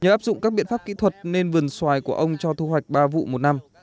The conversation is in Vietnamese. nhờ áp dụng các biện pháp kỹ thuật nên vườn xoài của ông cho thu hoạch ba vụ một năm